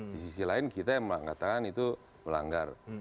di sisi lain kita yang mengatakan itu melanggar